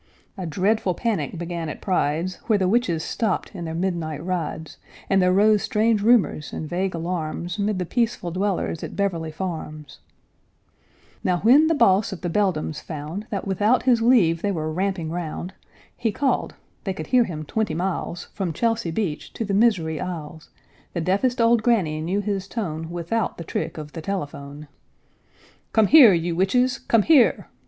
A dreadful panic began at "Pride's," Where the witches stopped in their midnight rides, And there rose strange rumors and vague alarms 'Mid the peaceful dwellers at Beverly Farms. [Illustration: "A strange sea monster stole their bait"] Now when the Boss of the Beldams found That without his leave they were ramping round, He called, they could hear him twenty miles, From Chelsea beach to the Misery Isles; The deafest old granny knew his tone Without the trick of the telephone. "Come here, you witches! Come here!"